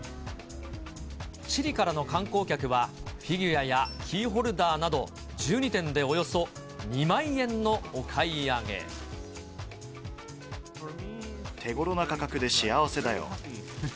チリからの観光客は、フィギュアやキーホルダーなど、１２点でお手ごろな価格で幸せだよ。